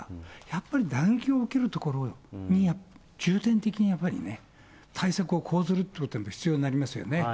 やっぱり打撃を受ける所に重点的にやっぱりね、対策を講ずるっていうことが必要になりますよね。